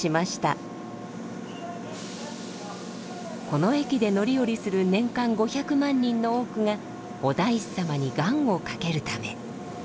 この駅で乗り降りする年間５００万人の多くがお大師様に願をかけるため。